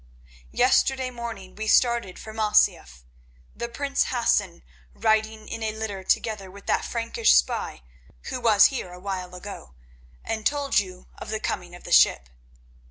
Yesterday morning we started for Masyaf, the prince Hassan riding in a litter together with that Frankish spy who was here a while ago, and told you of the coming of the ship.